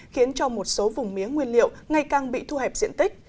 khiến cho một số vùng mía nguyên liệu ngày càng bị thu hẹp diện tích